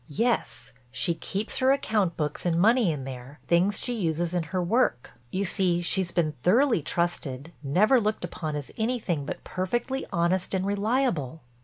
"Yes, she keeps her account books and money in there, things she uses in her work. You see she's been thoroughly trusted—never looked upon as anything but perfectly honest and reliable."